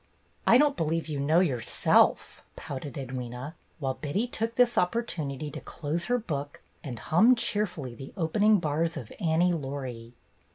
"I don't believe you know yourself," pouted Edwyna, while Betty took this opportunity to close her book and hum cheerfully the opening bars of "Annie Laurie."